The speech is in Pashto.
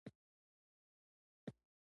احمد يې تېره شپه ډېر ګډولی وو.